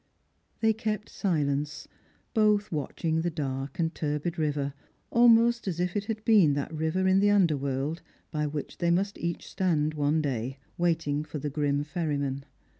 They kept silence, both watching the dark and turbid river, clmost as if it had been that river in the under world by which they must each stand one day, waiting for the grim ferryman.